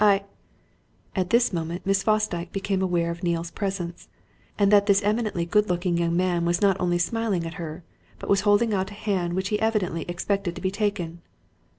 I " At this moment Miss Fosdyke became aware of Neale's presence, and that this eminently good looking young man was not only smiling at her, but was holding out a hand which he evidently expected to be taken.